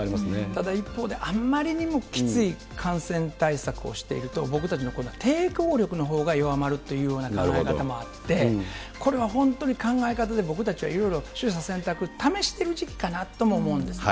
ただ一方で、あんまりにもきつい感染対策をしていると、僕たち、今度、抵抗力のほうが弱まるというような考え方もあって、これは本当に考える方で僕たちはいろいろ取捨選択、試している時期かなと思うんですね。